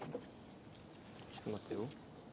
ちょっと待てよ。